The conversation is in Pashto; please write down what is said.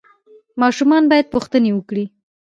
ماشومان باید پوښتنې وکړي.